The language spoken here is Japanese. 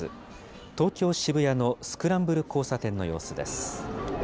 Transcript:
東京・渋谷のスクランブル交差点の様子です。